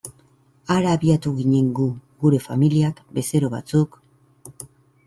Hara abiatu ginen gu, gure familiak, bezero batzuk...